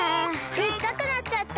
でっかくなっちゃった！